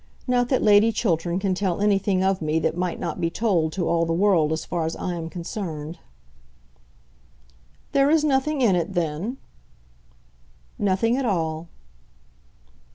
Not that Lady Chiltern can tell anything of me that might not be told to all the world as far as I am concerned." "There is nothing in it, then?" "Nothing at all."